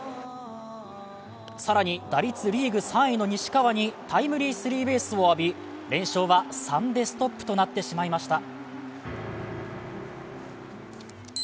更に、打率リーグ３位の西川にタイムリースリーベースを浴び連勝は３でストップとなってしまいました。